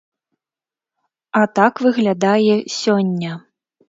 А так выглядае сёння.